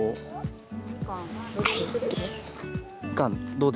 どう。